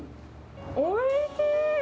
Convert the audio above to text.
おいしい。